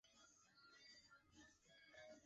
Su retorno al Brasil, sin embargo, no fue tranquilo.